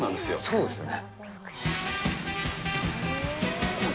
そうですね。